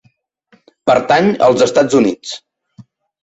Pertany als Estats Units.